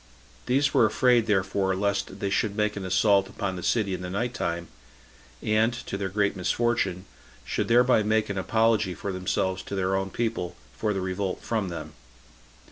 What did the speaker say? These were afraid, therefore, lest they should make an assault upon the city in the night time, and, to their great misfortune, should thereby make an apology for themselves to their own people for their revolt from them.